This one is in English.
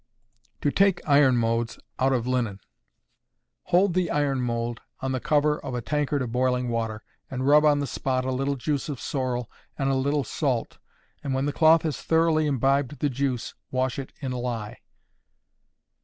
To take Iron moulds out of Linen. Hold the iron mould on the cover of a tankard of boiling water, and rub on the spot a little juice of sorrel and a little salt; and when the cloth has thoroughly imbibed the juice, wash it in lye.